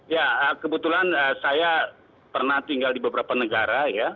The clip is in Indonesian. ya kebetulan saya pernah tinggal di beberapa negara ya